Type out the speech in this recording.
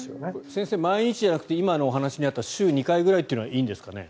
先生、毎日じゃなくて今のお話にあった週２回ぐらいというのはいいんですかね？